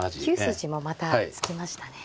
筋もまた突きましたね。